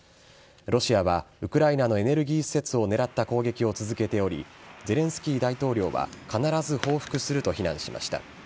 ロシアはウクライナのエネルギー施設を狙った攻撃を続けておりゼレンスキー大統領は必ず報復すると非難しました。